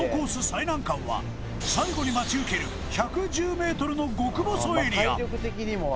最難関は最後に待ち受ける１１０ｍの極細エリア